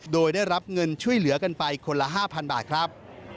โดยได้รับเงินช่วยเหลือกันไปคนละ๕๐๐บาทครับ